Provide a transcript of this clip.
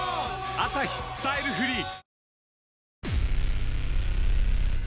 「アサヒスタイルフリー」！